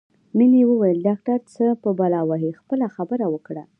مينې وویل ډاکټر څه په بلا وهې خپله خبره وکړه